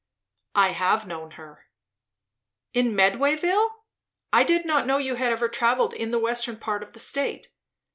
"I have known her." "In Medwayville? I did not know you had ever travelled in the western part of the state."